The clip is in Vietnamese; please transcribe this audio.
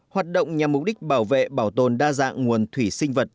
hoạt động nhằm mục đích bảo vệ bảo tồn đa dạng nguồn thủy sinh vật